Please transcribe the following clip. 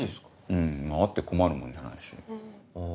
うんあって困るもんじゃないし。